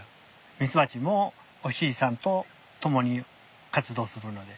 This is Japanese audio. ミツバチもお日さんと共に活動するので。